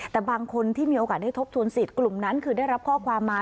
แต่บางคนที่มีโอกาสได้ทบทวนสิทธิ์กลุ่มนั้นคือได้รับข้อความมา